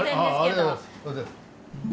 ありがとうございます。